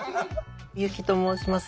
由希と申します。